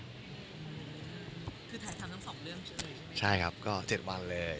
คือถ่ายทำทั้งสองเรื่องใช่ไหมใช่ครับก็เจ็ดวันเลย